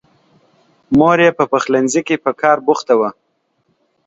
مور یې په پخلنځي کې په کار بوخته وه.